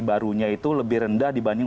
barunya itu lebih rendah dibanding